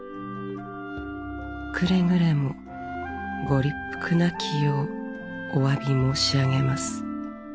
くれぐれも御立腹なきようお詫び申し上げます」。